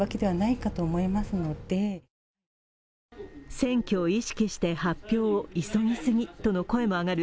選挙を意識して発表を急ぎすぎとの声も上がる